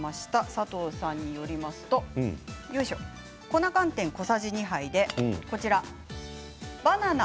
佐藤さんによりますと粉寒天小さじ２杯でこちらバナナ